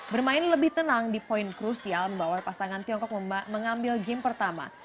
bermain lebih tenang di poin krusial membawa pasangan tiongkok mengambil game pertama